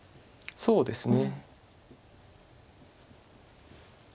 そうですね。